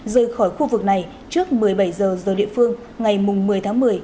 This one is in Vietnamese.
rời khỏi khu vực này trước một mươi bảy giờ giờ địa phương ngày một mươi tháng một mươi